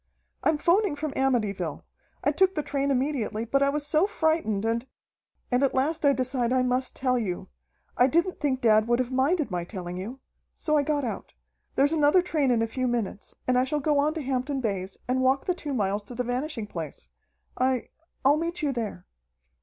"I'm 'phoning from Amityville. I took the train immediately, but I was so frightened, and and at last I decide I must tell you. I didn't think dad would have minded my telling you. So I got out. There's another train in a few minutes, and I shall go on to Hampton Bays and walk the two miles to the Vanishing Place. I I'll meet you there."